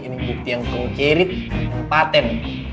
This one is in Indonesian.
ini kode yang terkirit rain